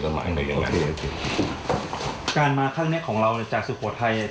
เจตนาของเราคืออะไร